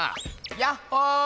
やっほ！